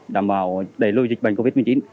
đảm bảo đẩy lùi dịch bệnh covid một mươi chín